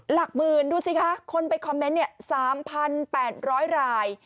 หลักหมื่นดูสิคะคนไปคอมเมนต์๓๘๐๐ราย